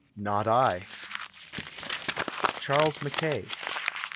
Not I. CHARLES KACKAY.